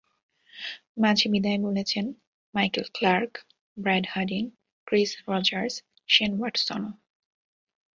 মাঝে বিদায় বলেছেন Michael Clarke, Brad Haddin, Chris Rogers, Shane ওয়াটসনও।